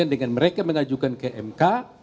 dengan mereka mengajukan ke mk